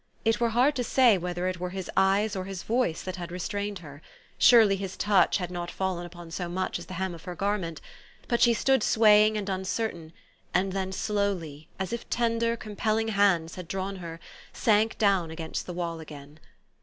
It were hard to say whether it were his eyes or his voice that restrained her, surely his touch had not fallen upon so much as the hem of her garment, but she stood swaying and uncertain, and then slowly, as if tender, compelling hands had drawn her, sank down against the wall again.